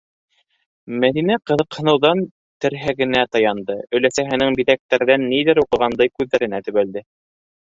- Мәҙинә ҡыҙыҡһыныуҙан терһәгенә таянды, өләсәһенең биҙәктәрҙән ниҙер уҡығандай күҙҙәренә төбәлде.